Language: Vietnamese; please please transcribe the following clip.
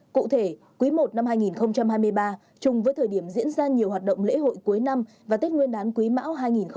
cụ thể quý i năm hai nghìn hai mươi ba chung với thời điểm diễn ra nhiều hoạt động lễ hội cuối năm và tết nguyên đán quý mão hai nghìn hai mươi bốn